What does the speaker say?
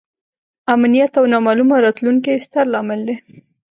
امنیت او نامعلومه راتلونکې یې ستر لامل دی.